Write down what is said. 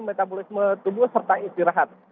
metabolisme tubuh serta istirahat